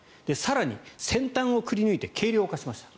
さらに、先端をくり抜いて軽量化しました。